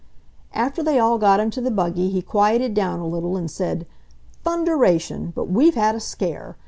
After they all got into the buggy he quieted down a little and said, "Thunderation! But we've had a scare!